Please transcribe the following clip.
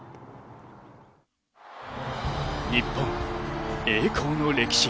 日本、栄光の歴史。